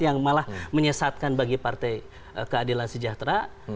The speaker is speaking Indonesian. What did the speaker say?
yang malah menyesatkan bagi partai keadilan sejahtera